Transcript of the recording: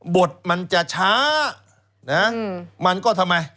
บทมันจะช้านะมันก็ทำไม